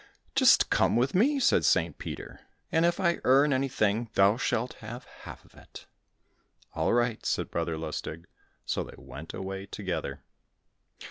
"Just come with me," said St. Peter, "and if I earn anything, thou shalt have half of it." "All right," said Brother Lustig, so they went away together.